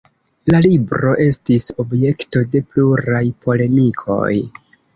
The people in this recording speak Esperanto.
La libro estis objekto de pluraj polemikoj.